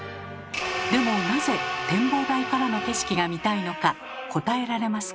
でもなぜ展望台からの景色が見たいのか答えられますか？